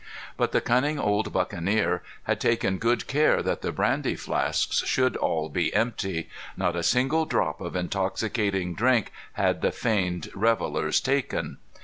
But the cunning old buccaneer had taken good care that the brandy flasks should all be empty. Not a single drop of intoxicating drink had the feigned revellers taken.